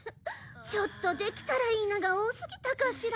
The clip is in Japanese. ちょっと「できたらいいな」が多すぎたかしら？